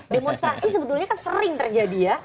demonstrasi sebetulnya kan sering terjadi ya